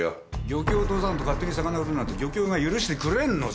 漁協を通さんと勝手に魚売るなんて漁協が許してくれんのじゃ。